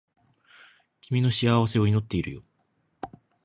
君の幸せを祈っているよ